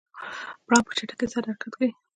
پړانګ په چټکۍ سره حرکت کوي.